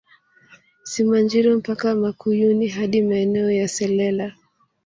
Simanjiro mpaka Makuyuni hadi maeneo ya Selela